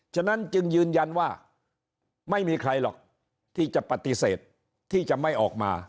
ฉะนั้นจึงยืนยันว่าไม่มีใครหรอกที่จะปฏิเสธที่จะไม่ออกมา